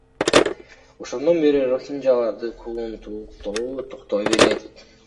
Ошондон бери рохинжаларды куугунтуктоо токтобой келет.